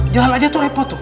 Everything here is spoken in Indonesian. jalan aja tuh repot tuh